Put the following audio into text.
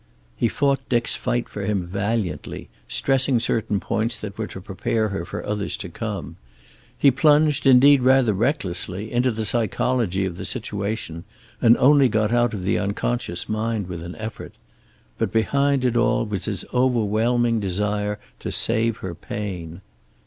He fought Dick's fight for him valiantly, stressing certain points that were to prepare her for others to come. He plunged, indeed, rather recklessly into the psychology of the situation, and only got out of the unconscious mind with an effort. But behind it all was his overwhelming desire to save her pain.